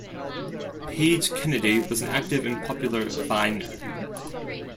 Page Kennedy was an active and popular Viner.